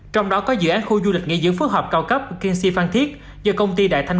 trong đó có dự án khu du lịch nghỉ dưỡng phức hợp cao cấp kinsy phan thiết do công ty đại thanh